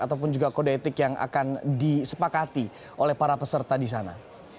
ataupun juga kode etik yang akan disepakati oleh para peserta di sana